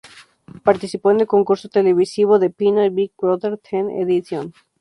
Participó en el concurso televisivo de Pinoy Big Brother: Teen Edition.